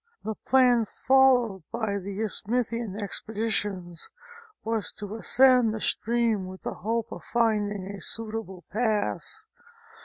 The plan followed by the Isthmian expeditions was to ascend a stream with the hope of finding a suitable pass.